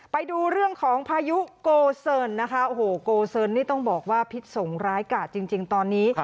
ไปดูเรื่องของพายุโกเซินนะคะโอ้โหโกเซินนี่ต้องบอกว่าพิษสงร้ายกาดจริงตอนนี้